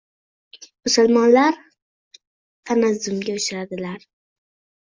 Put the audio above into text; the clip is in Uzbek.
musulmonlar tanazzulga uchradilar